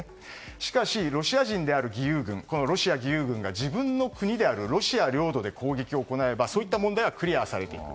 しかし、ロシア人である義勇軍が自分の国であるロシア領土で攻撃を行えばそういった問題はクリアされていく。